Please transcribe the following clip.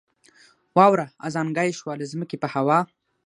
واوره ازانګه یې شوه له ځمکې په هوا